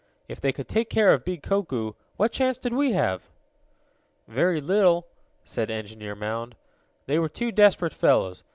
If they could take care of big Koku, what chance did we have?" "Very little," said Engineer Mound. "They were desperate fellows.